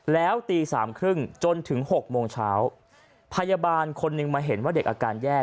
แล้วตีสามครึ่งจนถึง๖โมงเช้าพยาบาลคนหนึ่งมาเห็นว่าเด็กอาการแย่